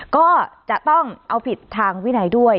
ก็จะต้องเอาผิดทางวินัยด้วย